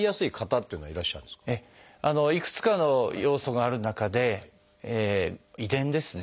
いくつかの要素がある中で「遺伝」ですね。